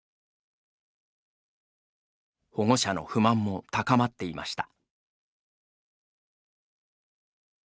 保護者の不満も高まっていました。